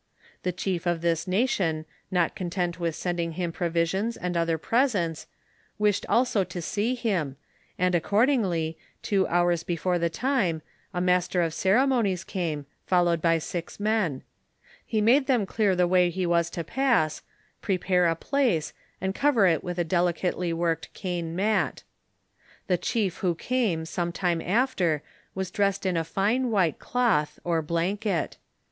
The chief of this nation not content with sending him provis ions and other presents, wished also to see him, and accord ingly, two hours before the time a master of ceremonies came, followed by six men ; he made them clear the way he was to pass, prepare a place, and cover it with a delicately worked cane mat. The chief who came some time after was dressed in a fine white cloth, or blanket.